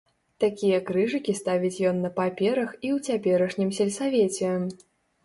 Такія крыжыкі ставіць ён на паперах і ў цяперашнім сельсавеце.